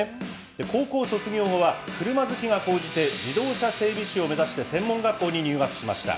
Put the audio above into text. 高校卒業後は、車好きが高じて、自動車整備士を目指して、専門学校に入学しました。